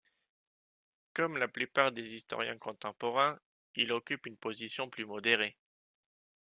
Comme la plupart des historiens contemporains, il occupe une position plus modérée.